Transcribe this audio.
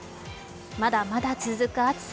まだまだ続く暑さ。